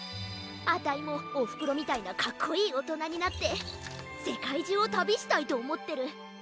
あたいもおふくろみたいなかっこいいおとなになってせかいじゅうをたびしたいとおもってる。